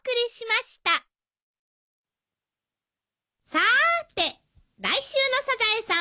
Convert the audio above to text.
さーて来週の『サザエさん』は？